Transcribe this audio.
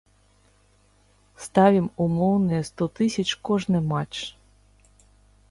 Ставім умоўныя сто тысяч кожны матч.